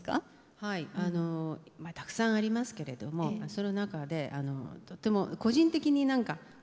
はいあのたくさんありますけれどもその中でとっても個人的に何かグサッと来たような。